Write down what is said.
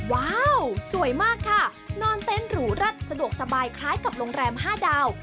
ว้าวสวยมากค่ะนอนเต้นหรูแร็ดสะดวกสบายคล้ายกับโรงแรม๕ดาว